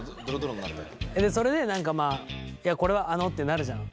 それで何かまあ「いやこれはあの」ってなるじゃん。